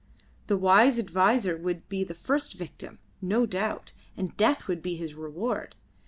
The wise adviser would be the first victim, no doubt, and death would be his reward.